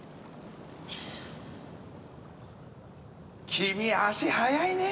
君足速いねえ！